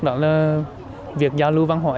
đó là việc giao lưu văn hóa